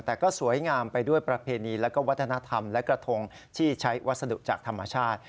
แต่ก็สวยงามไปด้วยประเพณีและวัฒนธรรมและกระทงที่ใช้วัสดุจากธรรมชาติ